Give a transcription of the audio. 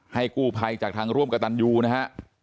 กู้ภัยจากทางร่วมกับตันยูนะฮะ